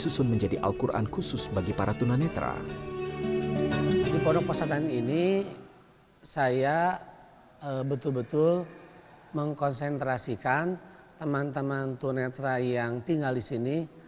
saya betul betul mengkonsentrasikan teman teman tunetra yang tinggal di sini